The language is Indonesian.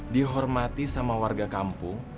dihormati sama warga kampung